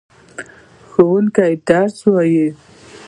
ښوونکی درس وايي.